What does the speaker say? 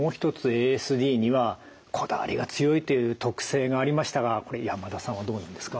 ＡＳＤにはこだわりが強いという特性がありましたがこれ山田さんはどうなんですか？